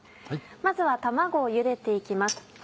まずは卵をゆでて行きます。